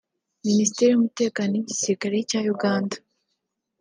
Minisiteri y’Umutekano n’Igisirikare cya Uganda